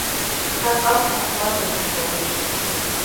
Шҭак агәҭа ҳлаган ҳкарыжьит.